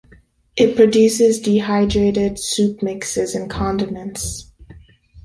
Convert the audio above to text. It produces dehydrated soup mixes and condiments.